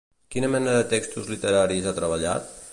Quina mena de textos literaris ha treballat?